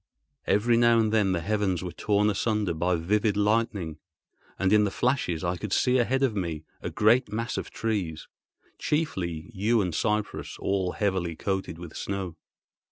Every now and then the heavens were torn asunder by vivid lightning, and in the flashes I could see ahead of me a great mass of trees, chiefly yew and cypress all heavily coated with snow.